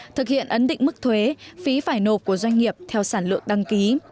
thực hiện ấn định mức thuế phí phải nộp của doanh nghiệp theo sản lượng đăng ký